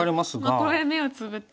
これは目をつぶって。